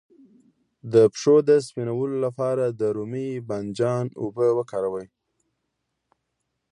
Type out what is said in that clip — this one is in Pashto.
د پښو د سپینولو لپاره د رومي بانجان اوبه وکاروئ